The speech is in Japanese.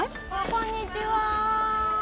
こんにちは。